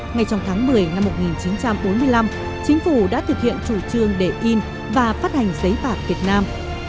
ngay trong tháng một mươi năm một nghìn chín trăm bốn mươi năm chính phủ đã thực hiện chủ trương để in và phát hành giấy bạc việt nam